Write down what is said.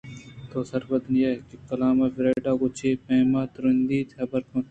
تو سرپد نئے کہ کلام فریڈاءَ گوں چے پیم ترٛندی ءَحبر کنت